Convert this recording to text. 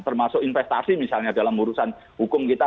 termasuk investasi misalnya dalam urusan hukum kita